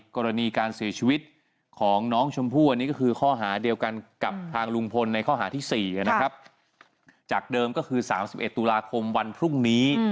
กรณีการเสียชีวิตของน้องชมพู่อันนี้ก็คือข้อหาเดียวกันกับทางลุงพลในข้อหาที่๔นะครับจากเดิมก็คือ๓๑ตุลาคมวันพรุ่งนี้